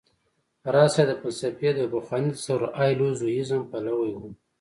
راز صيب د فلسفې د يو پخواني تصور هايلو زوييزم پلوی و